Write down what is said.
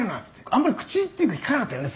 あんまり口っていうか利かなかったよね？